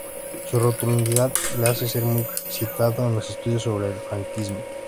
Su rotundidad le hace ser muy citado en los estudios sobre el franquismo.